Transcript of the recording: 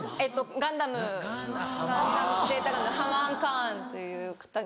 『Ζガンダム』ハマーン・カーンという方に。